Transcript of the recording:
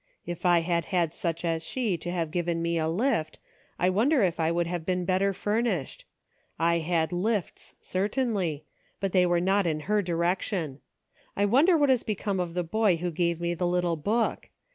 " If I had had such as she to have given me a lift, I wonder if I would have been better furnished .' I had lifts, certainly, but they were not in her direction. I wonder what is become of the boy who gave me the little book